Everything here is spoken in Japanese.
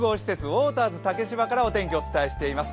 ウォーターズ竹芝からお天気をお伝えしています。